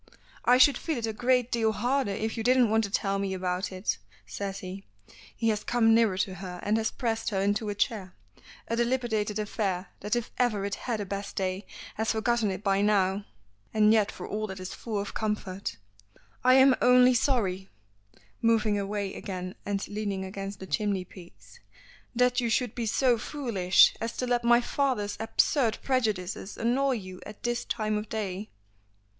"I should feel it a great deal harder if you didn't want to tell me about it," says he. He has come nearer to her and has pressed her into a chair a dilapidated affair that if ever it had a best day has forgotten it by now and yet for all that is full of comfort. "I am only sorry" moving away again and leaning against the chimney piece "that you should be so foolish as to let my father's absurd prejudices annoy you at this time of day."